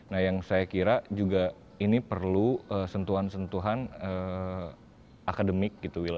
nah yang saya kira juga ini perlu sentuhan sentuhan akademik gitu